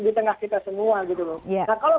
di tengah kita semua gitu loh nah kalau